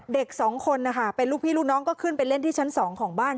เด็กสองคนนะคะเป็นลูกพี่ลูกน้องก็ขึ้นไปเล่นที่ชั้น๒ของบ้าน